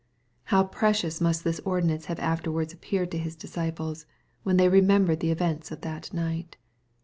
How precious must this ordinance have afterwards ap peared to His disciples, when they remembered the events of that night.